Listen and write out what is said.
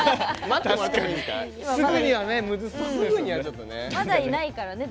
まだいないからね。